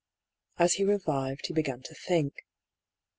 As he revived he began to think.